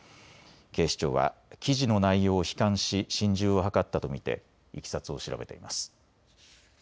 警視庁は記事の内容を悲観し心中を図ったと見ていきさつを調べています。